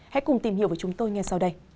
hãy cùng tìm hiểu với chúng tôi ngay sau đây